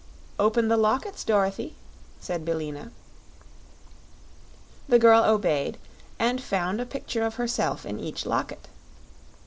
"Open the lockets, Dorothy," said Billina. The girl obeyed and found a picture of herself in each locket.